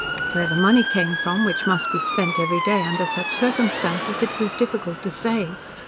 Where the money came from, which must be spent every day under such circumstances, it was difficult to say.